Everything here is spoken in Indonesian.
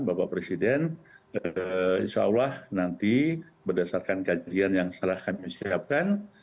bapak presiden insya allah nanti berdasarkan kajian yang setelah kami siapkan